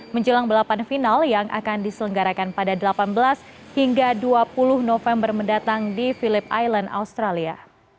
menjelang balapan final yang akan diselenggarakan pada delapan belas hingga dua puluh november mendatang di philip island australia